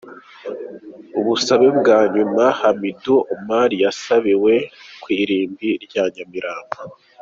Ubusabe bwa nyuma, Hamidou Omar yasabiwe ku irimbi ry’i Nyamirambo